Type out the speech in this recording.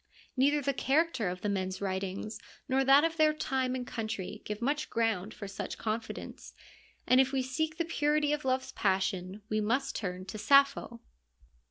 Neither the character of the men's writings nor that of their time and country give much ground for such con fidence, and if we seek the purity of love's passion we must turn to Sappho.